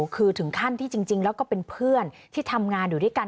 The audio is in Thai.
คือถึงขั้นที่จริงแล้วก็เป็นเพื่อนที่ทำงานอยู่ด้วยกัน